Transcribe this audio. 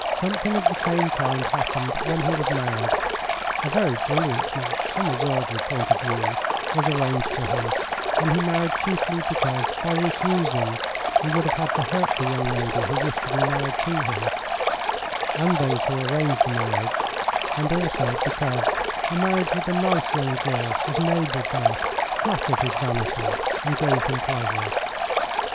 Something of the same kind happened when he married. A very brilliant match, from a worldly point of view, was arranged for him, and he married chiefly because by refusing he would have had to hurt the young lady who wished to be married to him, and those who arranged the marriage, and also because a marriage with a nice young girl of noble birth flattered his vanity and gave him pleasure.